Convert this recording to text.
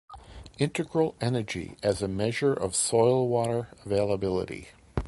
Integral energy as a measure of soil-water availability.